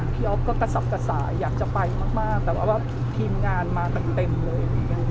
พี่อ๊อฟก็กระสับกระสายอยากจะไปมากแต่ว่าทีมงานมาเต็มเลย